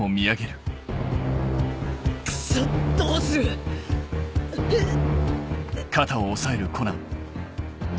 クソっどうするうっ！